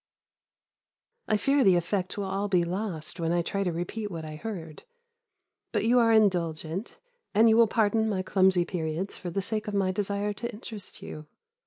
I fear the effect will all be lost when I try to repeat what I heard but you are indulgent, and you will pardon my clumsy periods for the sake of my desire to interest you.